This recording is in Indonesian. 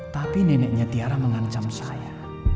tapi neneknya tiara mengancam saya